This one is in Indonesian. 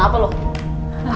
disampuk kenapa lo